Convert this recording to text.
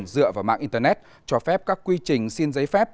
dựa vào mạng internet cho phép các quy trình xin giấy phép